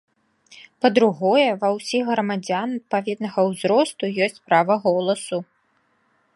Па-другое, ва ўсіх грамадзян адпаведнага ўзросту ёсць права голасу.